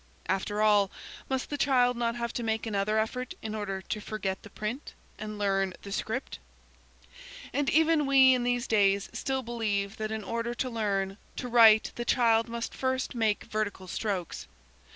After all, must the child not have to make another effort in order to forget the print, and learn the script? And even we in these days still believe that in order to learn to write the child must first make vertical strokes.